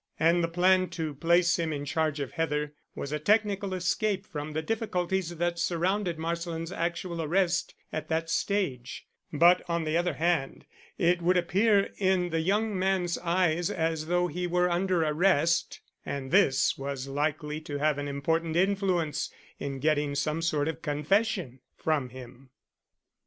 And the plan to place him in charge of Heather was a technical escape from the difficulties that surrounded Marsland's actual arrest at that stage; but, on the other hand, it would appear in the young man's eyes as though he were under arrest and this was likely to have an important influence in getting some sort of confession from him.